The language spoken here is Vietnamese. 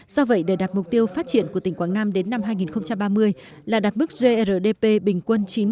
do vậy để đạt mục tiêu phát triển của tỉnh quảng nam đến năm hai nghìn ba mươi là đạt mức grdp bình quân chín